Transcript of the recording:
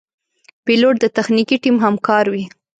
پیلوټ د تخنیکي ټیم همکار وي.